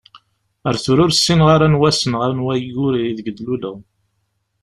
Ar tura ur ssineɣ ara anwa ass neɣ anwa ayyur ideg d-luleɣ.